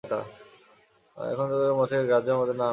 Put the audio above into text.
এখন ওদের মোটে গ্রাহ্যের মধ্যে না আনাই কর্তব্য।